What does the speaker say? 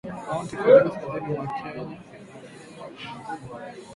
Kaunti zote kaskazini mwa Kenya